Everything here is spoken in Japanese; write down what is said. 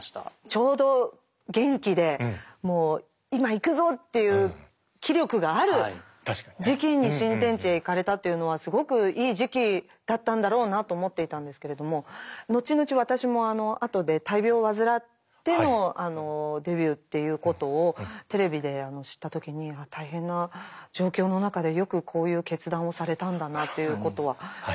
ちょうど元気でもう今行くぞっていう気力がある時期に新天地へ行かれたというのはすごくいい時期だったんだろうなと思っていたんですけれども後々私も後で大病を患ってのデビューっていうことをテレビで知った時に大変な状況の中でよくこういう決断をされたんだなということは感じていました。